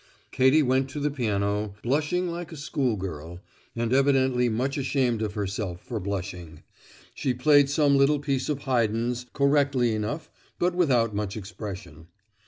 Katie went to the piano, blushing like a school girl, and evidently much ashamed of herself for blushing; she played some little piece of Haydn's correctly enough but without much expression.